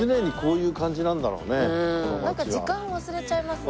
なんか時間を忘れちゃいますね。